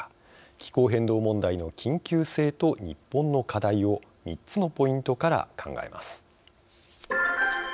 気候変動問題の緊急性と日本の課題を３つのポイントから考えます。